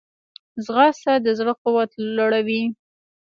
ځغاسته د زړه قوت لوړوي